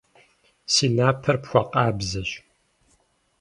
Си напэр пхуэкъабзэщ.